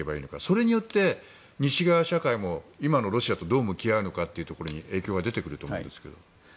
それによって、西側社会も今のロシアとどう向き合うかに影響が出てくると思うんですが。